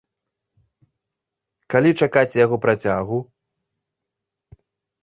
Калі чакаць яго працягу?